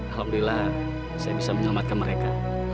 alhamdulillah saya bisa menyelamatkan mereka